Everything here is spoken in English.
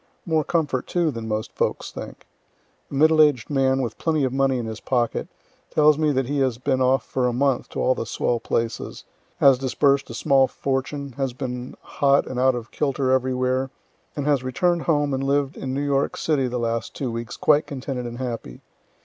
More comfort, too, than most folks think. A middle aged man, with plenty of money in his pocket, tells me that he has been off for a month to all the swell places, has disburs'd a small fortune, has been hot and out of kilter everywhere, and has return' d home and lived in New York city the last two weeks quite contented and happy.